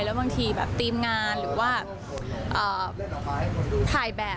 แล้วบางทีแบบทีมงานหรือว่าถ่ายแบบ